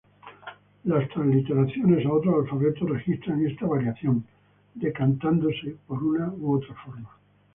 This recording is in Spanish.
Las transliteraciones a otros alfabetos registran esta variación, decantándose por una u otra forma.